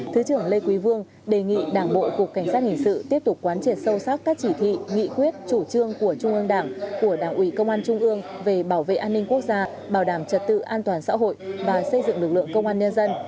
thứ trưởng lê quý vương đề nghị đảng bộ cục cảnh sát hình sự tiếp tục quán triệt sâu sắc các chỉ thị nghị quyết chủ trương của trung ương đảng của đảng ủy công an trung ương về bảo vệ an ninh quốc gia bảo đảm trật tự an toàn xã hội và xây dựng lực lượng công an nhân dân